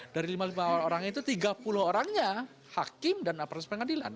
dari lima puluh lima orang itu tiga puluh orangnya hakim dan aparatus pengadilan